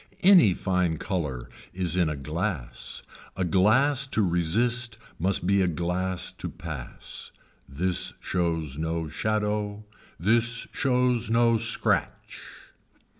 Any fine color is in a glass. A glass to resist must be a glass to pass. This shows no shadow. This shows no scratch.